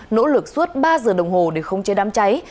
nỗ lực suốt ba giờ đồng hồ để không che đám cháy